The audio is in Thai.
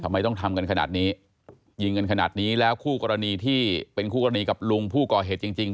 ทำไมต้องทำกันขนาดนี้ยิงกันขนาดนี้แล้วคู่กรณีที่เป็นคู่กรณีกับลุงผู้ก่อเหตุจริงจริง